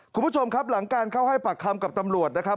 คุณผู้ชมครับหลังการเข้าให้ปากคำกับตำรวจนะครับ